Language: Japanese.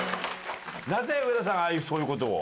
なぜ上田さんああいうそういう事を？